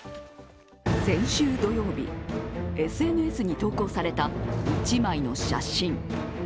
先週土曜日、ＳＮＳに投稿された１枚の写真。